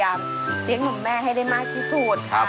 เออส่งไลน์มาถามกันคุณค่ะ